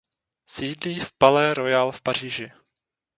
Sídlí v Palais Royal v Paříži.